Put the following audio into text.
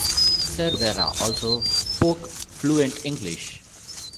Cervera also spoke fluent English.